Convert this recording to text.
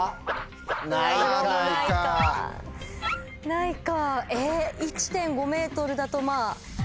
ないか。